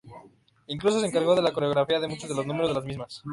Incluso se encargó de la coreografía de muchos de los números de las mismas.